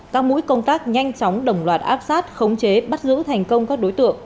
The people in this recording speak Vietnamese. các mũi công tác nhanh chóng đồng loạt áp sát khống chế bắt giữ thành công các đối tượng